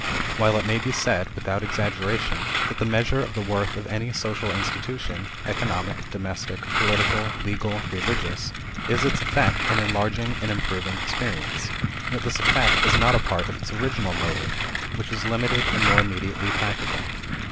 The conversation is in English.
While it may be said, without exaggeration, that the measure of the worth of any social institution, economic, domestic, political, legal, religious, is its effect in enlarging and improving experience; yet this effect is not a part of its original motive, which is limited and more immediately practical.